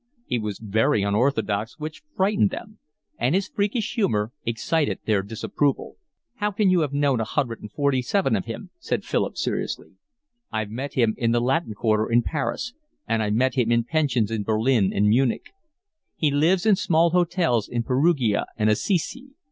He was very unorthodox, which frightened them; and his freakish humour excited their disapproval. "How can you have known a hundred and forty seven of him?" asked Philip seriously. "I've met him in the Latin Quarter in Paris, and I've met him in pensions in Berlin and Munich. He lives in small hotels in Perugia and Assisi.